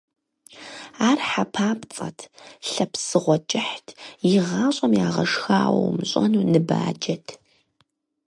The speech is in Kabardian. Ар хьэ папцӀэт, лъэ псыгъуэ кӀыхьт, игъащӀэм ягъэшхауэ умыщӀэну ныбаджэт.